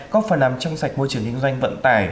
có phần nằm trong sạch môi trường hình doanh vận tài